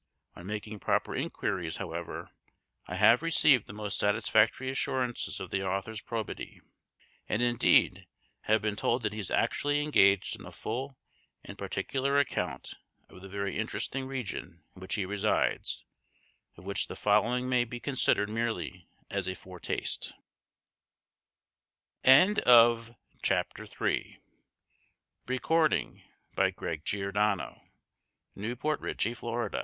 On making proper inquiries, however, I have received the most satisfactory assurances of the author's probity, and indeed have been told that he is actually engaged in a full and particular account of the very interesting region in which he resides, of which the following may be considered merely as a foretaste. LITTLE BRITAIN. What I write is most true..... I have a whole booke of cases lying by me,